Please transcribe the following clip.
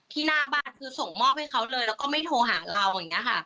หน้าบ้านคือส่งมอบให้เขาเลยแล้วก็ไม่โทรหาเราอย่างนี้ค่ะ